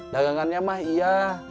dagangannya mah iya